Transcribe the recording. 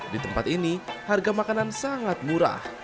di tempat ini harga makanan sangat murah